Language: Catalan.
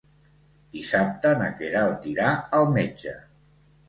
Dissabte na Queralt irà al metge.